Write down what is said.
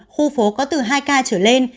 khu phố có từ hai ca trở lên